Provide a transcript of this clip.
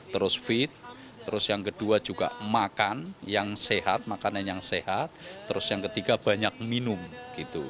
terus fit terus yang kedua juga makan yang sehat makanan yang sehat terus yang ketiga banyak minum gitu